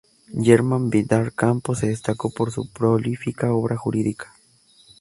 Germán Bidart Campos se destacó por su prolífica obra jurídica.